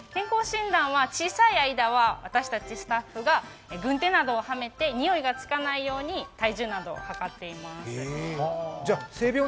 小さい間は私たちスタッフが軍手などをはめて、においがつかないように体重などをはかっています。